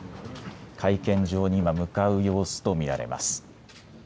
会見場に今、向かう様子と見られます。